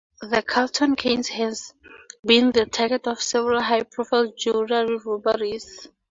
The Carlton Cannes has been the target of several high-profile jewelry robberies.